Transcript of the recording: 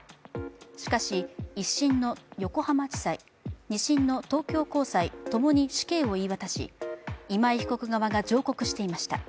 しかし、１審の横浜地裁、２審の東京高裁共に死刑を言い渡し今井被告側が上告していました。